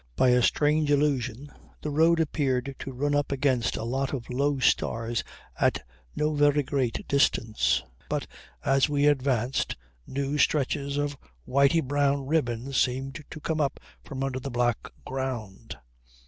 By a strange illusion the road appeared to run up against a lot of low stars at no very great distance, but as we advanced new stretches of whitey brown ribbon seemed to come up from under the black ground.